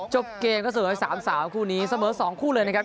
จบเกมก็เสมอ๓สาวคู่นี้เสมอ๒คู่เลยนะครับ